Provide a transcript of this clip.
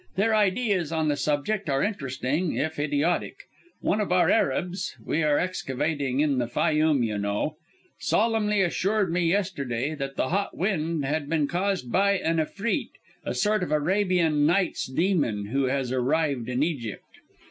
Their ideas on the subject are interesting, if idiotic. One of our Arabs (we are excavating in the Fayûm, you know), solemnly assured me yesterday that the hot wind had been caused by an Efreet, a sort of Arabian Nights' demon, who has arrived in Egypt!"